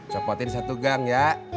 copotin satu gang ya